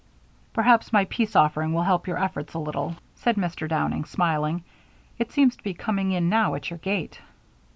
"Perhaps my peace offering will help your efforts a little," said Mr. Downing, smiling. "It seems to be coming in now at your gate."